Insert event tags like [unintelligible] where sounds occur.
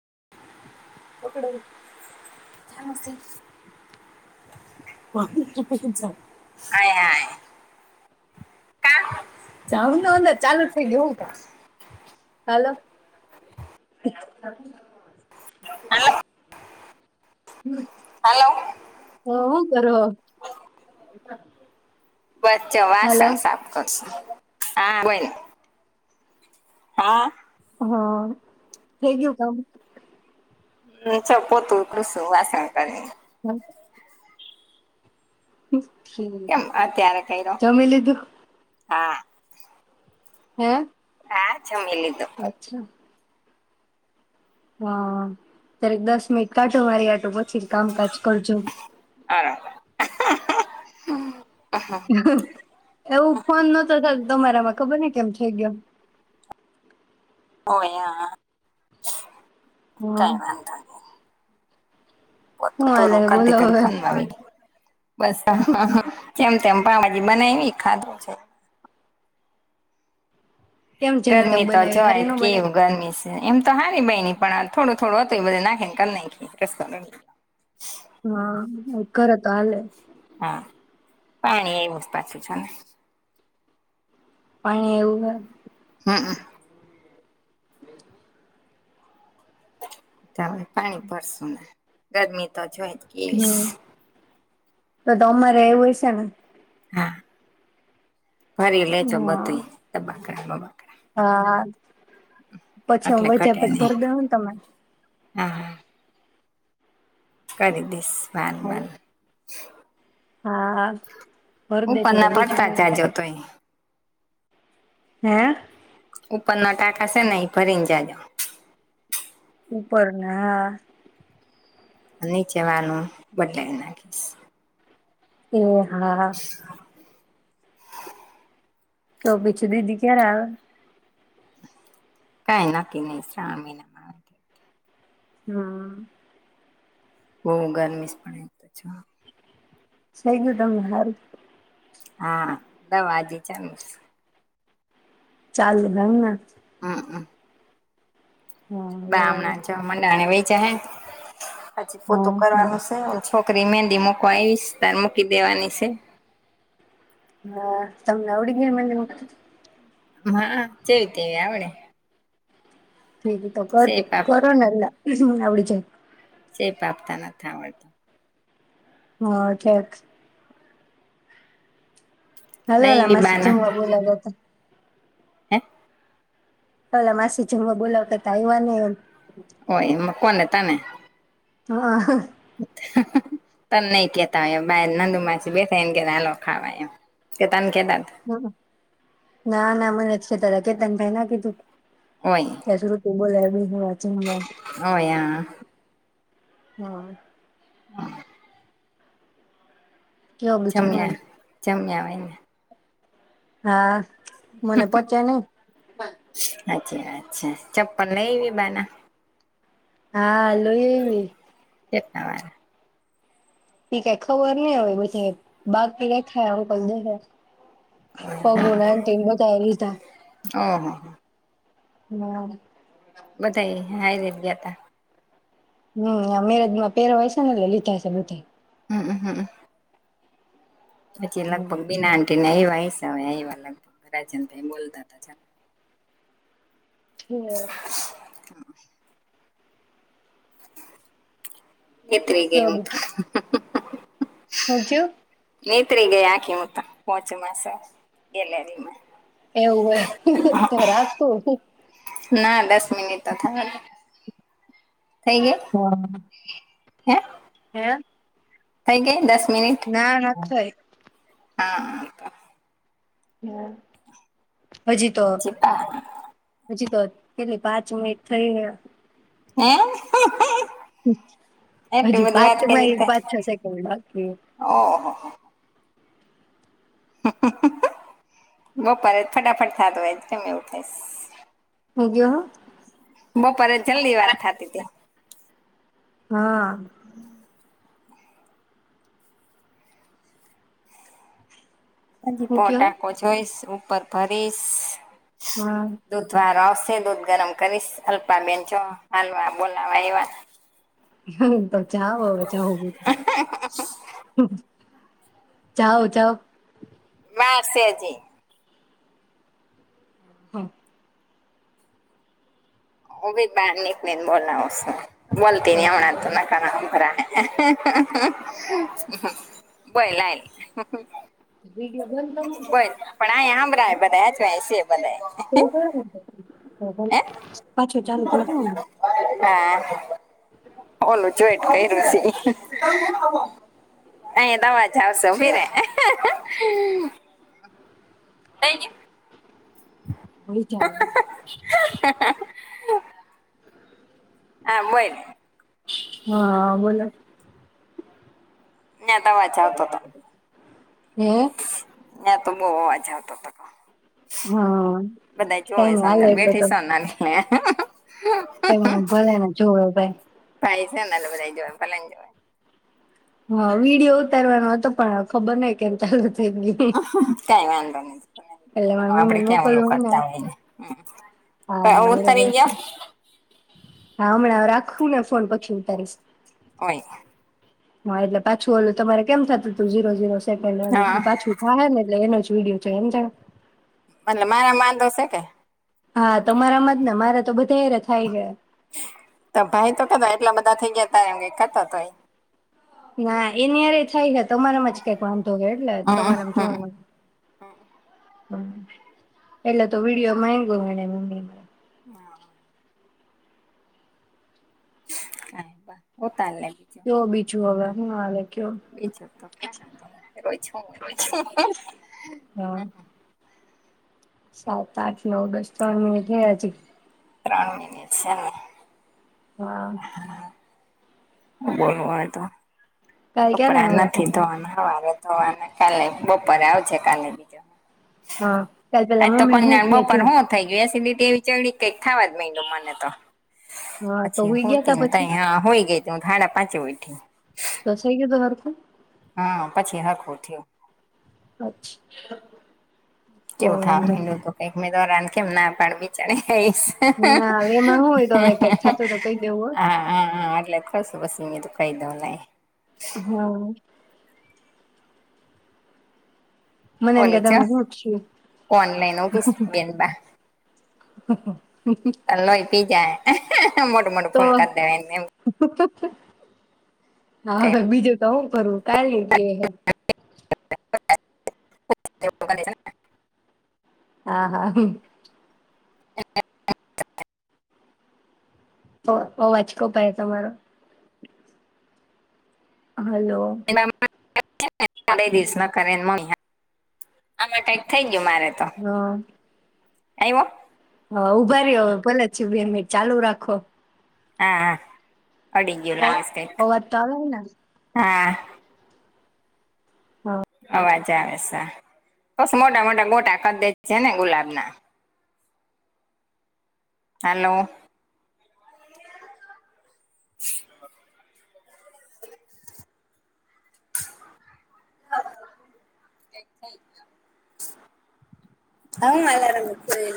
[inaudible] પકડવી. [inaudible] વાહ [inaudible] [inaudible] હા કા? ભાવના અંદર ચાલુ થઈ ગયું. હું કા? [inaudible] હેલો. હમ. હેલો. હા, હું કરો હો? બેઠા છી ભાઈ. બસ જો વાસણ સાફ કરું છું. હા બોલ. હા. હા. થઈ ગયું કામ? હમ. જો પોતુ કરું છું વાસણ કરીને. [inaudible] હમ હમ. કેમ અત્યારે કર્યો જમી લીધું? હા. હે? હા જમી લીધું. અચ્છા હા. ક્યારેક દસ સમય કાઢો મારી હાટુ પછી કામકાજ કરજો. [inaudible] એવું ફોન નોતો થતો તમારામાં ખબર નહીં કેમ થયું થઈ ગયો. ઓય. હં હં. હા કાંઈ વાંધો નહીં. પોતું હું હાલે અધૂરું બોલો કરતી કરતી હવે ફોનમાં વઈ ગઈ. બસ અહહહ. જેમ તેમ પાઉંભાજી બનાયવી, ખાધું જરીક. કેમ જેમ તેમ ગરમી તો જો બનાવી આજ હારી ન કેવું બનાવી ગરમી છે. એમ તો હારી બયની પણ થોડું થોડું હતું એ બધું નાખીને કરી નાખી. હા. ઘરે તો હાલે. હા, પાણી આવ્યું છે પાછું, જો ને. પાણી આવ્યું હે. [inaudible] [unintelligible] પાણી ભરશું ને ગરમી તો છેજ હમ [unintelligible] તો તમારે આવ્યું હશે ને હા. ભરી લેજો હા બધું [unintelligible] [unintelligible] હા. પછી હું એટલે વચ્ચે ઘટે [unintelligible] નહી ભર દે હોન તમેં? હા. કરી દઈશ. [unintelligible] હા, ભર દેજો ઉપરના તો, બીજું ભરતા હું. જાજો તોય હે. ઉપરના ટાકા છે ને, એ ભરીને જાજો. ઉપર ના હા નીચે વાળાનું, બદલાવી નાખીશ. [unintelligible] હા, હા. તો પછી દીદી ક્યારે આવે? કઈ નક્કી નહી શ્રાવણ મહિના માં આવાનું હમ્મ. બઉ ગરમીશ પણ એમ તો જો. થઈ ગયું તમને હારુ? હા, દવા હજુ ચાલુ સે. ચાલુ, એમ ને. [unintelligible] હા ગામના બરાબર [unintelligible] [unintelligible] હજી ફોટુ હા કરવાનું છે, હજી. છોકરી મહેંદી મુકવા આવીશ, તાર મૂકી દેવાની છે? હા, તમને આવડી ગઈ, મહેંદી મુકતા? ના, જેવી તેવી આવડે ઠીક એ તો [unintelligible] [unintelligible] શેપ આપ આવડી જાય. શેપ આપતા નથી આવડતા. હા, ઠેક. હાલ લઈ હાલ એવી માસી બાના જમવા બોલાવ્યા તા. હે? કાલે માસી જમવા બોલાવતા, તા આવ્યા નઈ એમ ઓય એમાં કોને. તને. હા. તને નઈ કહેતા અહીયા બાર નંદુ માસી બેઠા એને કે હલો ખાવા એમ કે તને નઈ કેતા તા. ના ના મને જ કેતાતા કેતન ભાઈ એ ના કીધું? ક શું તું [unintelligible] બિહાર. અ યા. હા. [inaudible] કેવો બીજું જમ્યા, મારે જમ્યા ને હા. મને પચે નઈ. અચ્છ અચ્છા ચપ્પલ લાઈવી બાના? હાલ. લઈ આવી! [unintelligible] ઈ કાઈ ખબર નઈ હવે બધાયે બાકી રાયખા [unintelligible] પગોના ને [unintelligible] એ લીધા ઓહો હમ્મ. બધા હાયરે જ ગ્યાં તા. હમ મેરેજમાં પેર હોય છે એટલે લીધા હશે બધા. હમ્મ, હમ્મ. હચી લગભગ [unintelligible] એવા હિસા એ લગભગ રાજન ભાઈ બોલતા હતા [inaudible] [unintelligible] હેત્રી ગઈ કેવું હું તો. બીજું હું, થયું? નેત્રી ગઈ આખી હું તો પોંચ માસા ગેલેરીમાં. એવું હોય તો રાખો. થ અ [unintelligible] હા. હે? હ [unintelligible] થઈ ગઈ દસ મિનિટ ના નત થય. હા. હમ. હજી તો, ચીપા હજી તો કેટલી પાંચ મિનિટ થઈ ગય? હે? એટલી હજી બધી પાંચ વાત કરી તે પાંચ છ સેકન્ડ બાકી હૈ. ઓહો બપોરે જ ફટાફટ થાતો હોય, કેમ એવું થાય સે? હું ગયો હ બપોરે જલ્દી વાત થાતી તી. હા. હજી હું કયો પોટાકો જોઈશું. પર પરિસ. હા દુધવારો આવસ તે દૂધ ગરમ કરીશ અલ્પા બેન જો હાલવા બોલાવા આઇવા. હમ. જાવો હવે જાવો. જાવો જાવો. મેસેજી. હા. ઓ બી બારનિક મેન બોલાવ સિ. વોલતીની અણાત ના કારણ. ભય લાઈ. બંધ પણએ આયા આમડા [unintelligible] હે? કે જાને તે તું આમ. હા. ઓલું ચેક કઈરુ હસે. અયા અવાજ જાસો ઉભીરે થઈ ગયુ? [unintelligible] [inaudible] હા બોઈલ. હ, બોલો. ન્યા તા આવાજ જાતાતા. [unintelligible] [inaudible] તો બવ અવાજ આવતો હતો. હા બધા કઈ જોવે નઈ છે હાલે અંદર એટલું બેઠી તો છે ને [inaudible] એમ ભલે ને જોવે ભાઈ. [unintelligible] ભલે ને જોવે. વાં વિડીયો ઉતારવાનો અતો પણ ખબર નઈ કેમ ચાલુ થ કાંઈ વાંધ [inaudible] એટલે એમાં મારા આપડે મમ્મીને ક્યાં મોકલવું ઓલું કરતા ને હોય હા છે, ના [unintelligible] બરોબર ઉતરી જા. છે. હા, અમણાં રાખું ને ફોન પછી ઉતારીશ. હોય હા એટલે પાછું ઓલું તમારે કેમ થતું તુ ઝીરો ઝીરો સ તે હા [unintelligible] પાછુ થાહે ને એટલે એને જ. વિડીયો છે સમજાણું? એટલે મારામાં વાંધો સે કે? હા, તમારામાં જ ને મારા તો બધા હેરા થાય ગયા. તો ભાઈ તો કતો એટલા બધા થઇ ગયા તા એમ કેતો તો તો એ. ના એની આરે થાય ને, તમારામાં જ કંઈક વાંધો હે એટલે જ તમારામાં જોવાનુ મન હા હમ, એટલે તો વિડિઓ માંગ્યુ એણે મમ્મી એ. હા. [unintelligible] કયો બીજું હવે? ના હાલે કયો. બીજું તો કઈ નઈ. રોજ હું હોય? હા સાત આઠ નવ દસ ત્રણ [unintelligible] હે હજી ત્રણ મિનિટ છે ને હા બરય તો કાલ ક્યારે કપડા નવરા તા નથી ધોવાના હવા તો અને કાલે બપોરે આવજ કાલે બીજા હા કાલ પેલા અજ તો મમ્મી હું કન્યાણ કે બપોર જો હું થઇ ગય સીધી એ વિચવડી કઈક થવા જ બિન મને તો હા તો પછી હો હુઈ ગયા તા તેને ત પછી હા હોય ગઈ ઘાડા પાંચ ઉઠી તસ ગતોું હર તો હા પછી હખો થયો અછ ઓંધ ઉમેદવારને કેમ ના પણ બચાણે નઈ ના હવે એમાં હું હોય તો હવે કઈક થતું તો કઈ દેવું હા હાા એટલે અકાસવાસીીંગ દુ કાય દના હા મને એમ કે ઓલી છે તમને હું થયું ઓનલાઈન ઓીસ બેનબ હહ અ પી જાય હ મોટું મોટો તો ફોન કરી દેવા એમ હા હવે બીજું તો હું કરું કર લીજએ હ [inaudible] હા હા હ ઓ વાંચકો પાય તમારો હલો [inaudible] ું મારે તો હા એયવ હા ઉભાારી્યો હ ભલે બે મિનિટ ચાલુ રાખો હા હા અડગ જીવ લંગસ્ અવાજ તો આવે હે ને હા હા અવાજ બસ મોટા મોટા ગોટા ખે છે ને ગુલાબ ના હલોો [inaudible] હું અલાર્મ મૂકી